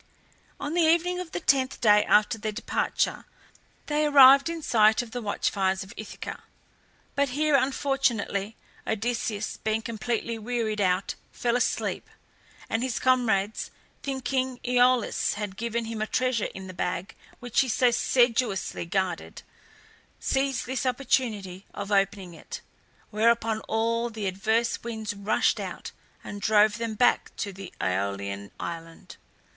On the evening of the tenth day after their departure they arrived in sight of the watch fires of Ithaca. But here, unfortunately, Odysseus, being completely wearied out, fell asleep, and his comrades, thinking AEolus had given him a treasure in the bag which he so sedulously guarded, seized this opportunity of opening it, whereupon all the adverse winds rushed out, and drove them back to the AEolian island.